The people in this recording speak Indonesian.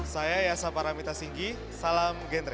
saya yasapara mita singgi salam genre